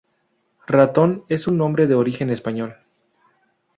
Ratón es un nombre de origen español.